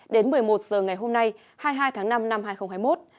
đến một mươi một h ngày hôm nay hai mươi hai tháng năm năm hai nghìn hai mươi một